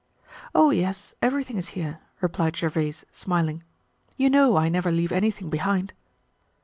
"Oh! yes, everything is here," replied Gervaise smiling. "You know I never leave anything behind."